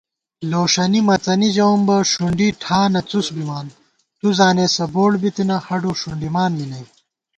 لوݭَنی مڅَنی ژَوُم بہ ݭُنڈی ٹھانہ څُس بِمان * تُو زانېسہ بوڑ بِتنہ ہڈو ݭُنڈمان می نئ